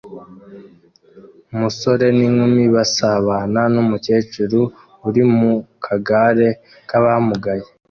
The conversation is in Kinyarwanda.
Umusore n'inkumi basabana numukecuru uri mu kagare k'abamugaye